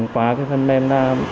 quá phần mềm là